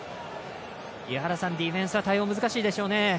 井原さん、ディフェンスは対応難しいでしょうね。